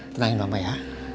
tenangin mama ya